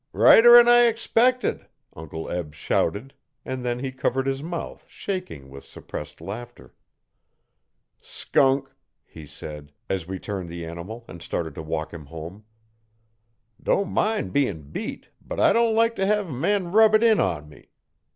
'Righter'n I expected,' Uncle Eb shouted, and then he covered his mouth, shaking with suppressed laughter. 'Skunk!' he said, as we turned the animal and started to walk him home. 'Don't min' bein' beat, but I don't like t' hev a man rub it in on me.